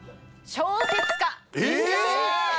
小説家！？